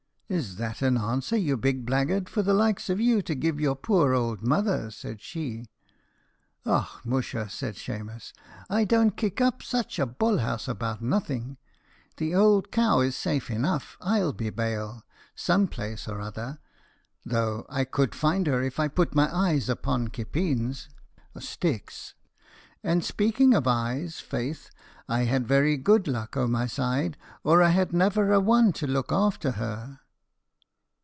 "'Is that an answer, you big blaggard, for the likes o' you to give your poor ould mother?' said she. "'Och, musha,' said Shemus, I don't kick up saich a bollhous about nothing. The ould cow is safe enough, I'll be bail, some place or other, though I could find her if I put my eyes upon kippeens, and, speaking of eyes, faith, I had very good luck o' my side, or I had naver a one to look after her.'